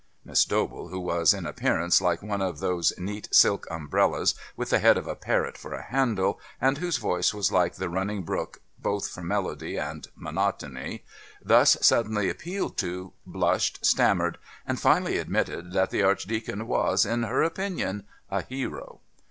Miss Dobell, who was in appearance like one of those neat silk umbrellas with the head of a parrot for a handle, and whose voice was like the running brook both for melody and monotony, thus suddenly appealed to, blushed, stammered, and finally admitted that the Archdeacon was, in her opinion, a hero.